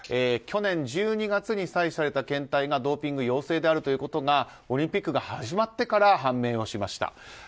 去年１２月に採取された検体がドーピング陽性であるということがオリンピックが始まってから判明をしました。